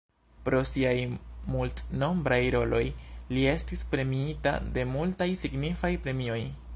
Pro siaj multnombraj roloj li estis premiita de multaj signifaj premioj.